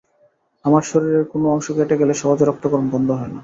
আমার শরীরের কোনো অংশে কেটে গেলে সহজে রক্তক্ষরণ বন্ধ হয় না।